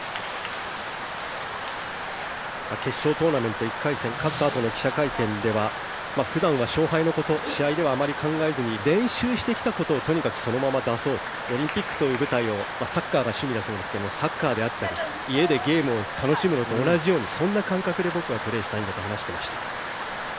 決勝トーナメント１回戦勝ったあとの記者会見では普段は勝敗のこと試合ではあまり考えずに練習してきたことをとにかくそのまま出そうオリンピックという舞台をサッカーが趣味だそうですがサッカーだったり家でゲームを楽しむのと同じ感覚で僕はプレーしたいんだと話していました。